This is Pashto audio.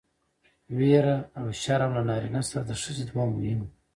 ويره او شرم له نارينه سره د ښځې دوه مهم